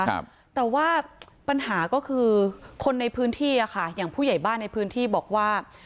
ครับแต่ว่าปัญหาก็คือคนในพื้นที่อ่ะค่ะอย่างผู้ใหญ่บ้านในพื้นที่บอกว่า